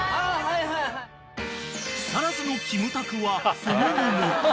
［木更津のキムタクはその後も］